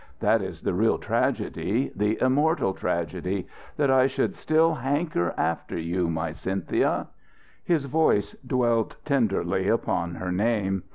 That is the real tragedy, the immortal tragedy, that I should still hanker after you, my Cynthia " His voice dwelt tenderly upon her name.